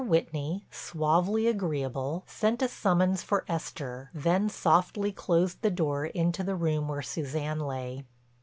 Whitney, suavely agreeable, sent a summons for Esther, then softly closed the door into the room where Suzanne lay.